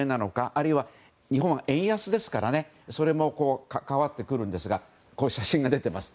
あるいは、日本は円安ですからそれも関わってくるんですが写真が出ています。